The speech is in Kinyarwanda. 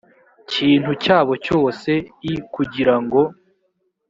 kintu cyabo cyose i kugira ngo